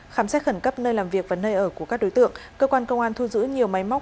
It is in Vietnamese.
khám xét khẩn cấp nơi làm việc và nơi ở của các đối tượng cơ quan công an thu giữ nhiều máy móc